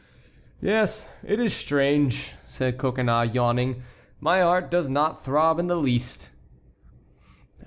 "Yes, it is strange," said Coconnas, yawning; "my heart does not throb in the least."